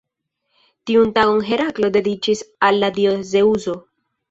Tiun tagon Heraklo dediĉis al la dio Zeŭso.